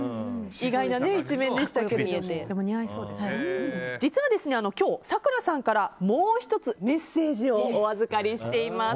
意外な一面でしたが実は今日、咲楽さんからもう１つ、メッセージをお預かりしています。